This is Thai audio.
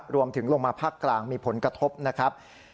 ลงมาภาคกลางมีผลกระทบนะครับ